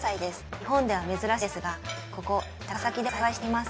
日本では珍しいですがここ高崎でも栽培しています。